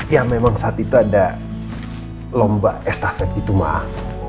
ya memang saat itu ada lomba estafet itu mah